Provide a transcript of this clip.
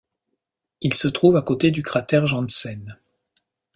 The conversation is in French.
Il se trouve à côté du cratère Janssen.